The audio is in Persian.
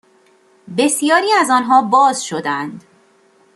بسیاری از آنها باز شدهاند